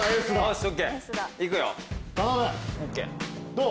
どう？